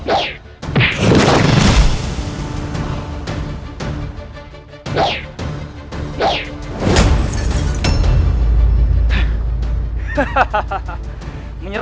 aku harus menolongnya